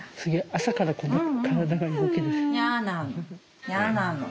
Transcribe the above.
朝からこんなに体が動ける。